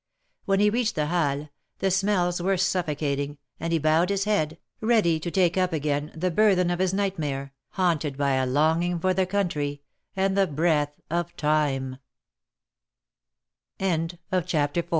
When he reached the Halles, the smells were suffocating, and he bowed his head, ready to take up again the burthen of his nightmare, haunted by a longing for the country, and the brea